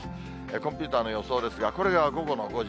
コンピューターの予想ですが、これが午後の５時。